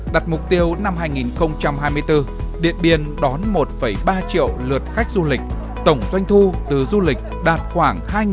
đặt mục tiêu năm hai nghìn hai mươi bốn điện biên đón một ba triệu lượt khách du lịch tổng doanh thu từ du lịch đạt khoảng hai hai trăm linh tỷ đồng